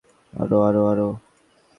আরও, আরও।